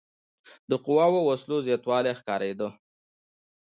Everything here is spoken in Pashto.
د قواوو او وسلو زیاتوالی ښکارېده.